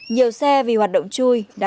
nhiều xe vì hoạt động chui